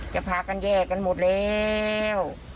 จะพากันแยกกันหมดแล้ว